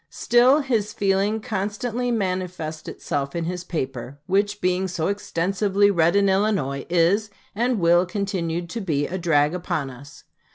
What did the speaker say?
Still his feeling constantly manifests itself in his paper, which, being so extensively read in Illinois, is, and will continue to be, a drag upon us.